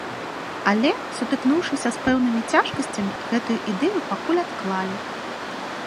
Але, сутыкнуўшыся з пэўнымі цяжкасцямі, гэтую ідэю пакуль адклалі.